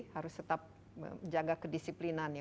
harus tetap menjaga kedisiplinan ya